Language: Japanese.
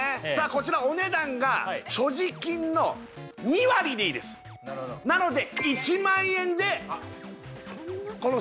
こちらお値段が所持金の２割でいいですなので１万円でそんな？